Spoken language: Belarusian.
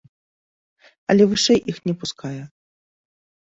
Але вышэй іх не пускае.